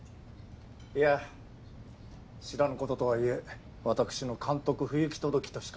いや知らぬこととはいえ私の監督不行き届きとしか。